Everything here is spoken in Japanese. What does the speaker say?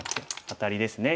アタリですね。